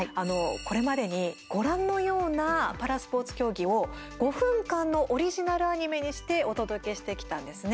これまでに、ご覧のようなパラスポーツ競技を５分間のオリジナルアニメにしてお届けしてきたんですね。